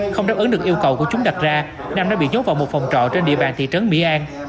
không đáp ứng được yêu cầu của chúng đặt ra nam đã bị dốt vào một phòng trọ trên địa bàn thị trấn mỹ an